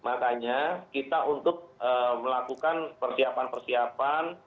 makanya kita untuk melakukan persiapan persiapan